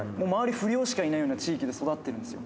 不良しかいないような地域で育ってるんですよ。